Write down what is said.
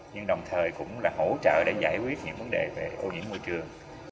nhưng đồng thời cũng là hỗ trợ để giải quyết những vấn đề về ô nhiễm môi trường